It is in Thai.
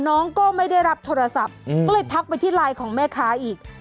น้องก็ไม่ได้รับโทรศัพท์ก็เลยทักไปที่ไลน์ของแม่ค้าอีก